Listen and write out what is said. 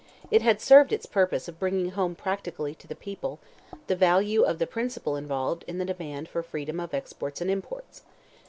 It had served its purpose of bringing home practically to the people, the value of the principle involved in the demand for freedom of exports and imports.